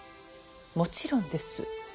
もちろんです。